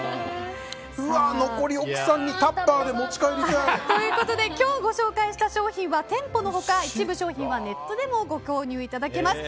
残り、奥さんにタッパーで持ち帰りたい。ということで今日ご紹介した商品は店舗の他、一部商品はネットでもご購入いただけます。